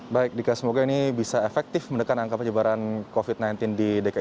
baik dika semoga ini bisa efektif mendekat angkapan jabaran covid sembilan belas di dki